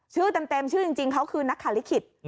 ชื่อเต็มชื่อจริงเขาคือนักคาลิขิต